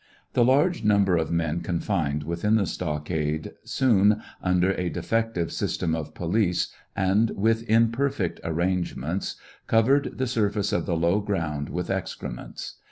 The large number of men confined within the stockade soon, under a defective system of police, and with imperfect arrangements, cov ered the surface of the low ground with excrements.